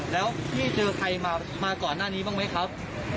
แล้วพี่เจอใครมาก่อนหน้านี้บ้างไหมครับ